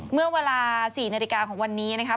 เมื่อเวลา๔นาฬิกาของวันนี้นะครับ